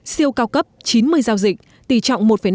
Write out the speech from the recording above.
siêu cao cấp chín mươi giao dịch